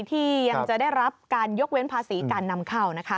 ที่ยังจะได้รับการยกเว้นภาษีการนำเข้า